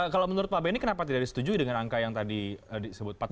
kalau menurut pak benny kenapa tidak disetujui dengan angka yang tadi disebut empat puluh